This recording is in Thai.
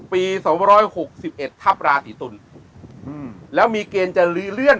ปีสองร้อยหกสิบเอ็ดทัพราศีตุนอืมแล้วมีเกณฑ์จะเรื่อย